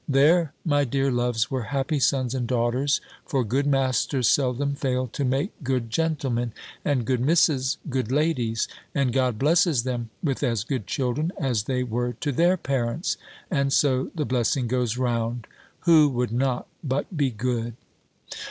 There, my dear loves, were happy sons and daughters; for good Masters seldom fail to make good gentlemen; and good Misses, good ladies; and God blesses them with as good children as they were to their parents; and so the blessing goes round! Who would not but be good?"